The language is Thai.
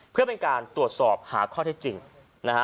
เพื่อเป็นการตรวจสอบหาข้อเท็จจริงนะฮะ